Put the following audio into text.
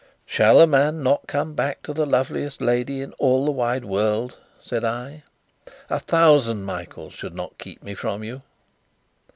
"Shall a man not come back to the loveliest lady in all the wide world?" said I. "A thousand Michaels should not keep me from you!"